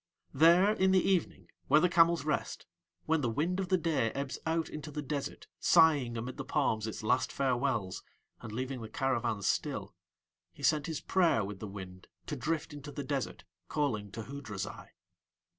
There in the evening, where the camels rest, when the wind of the day ebbs out into the desert sighing amid the palms its last farewells and leaving the caravans still, he sent his prayer with the wind to drift into the desert calling to Hoodrazai.